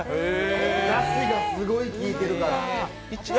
だしがすごい効いてるから。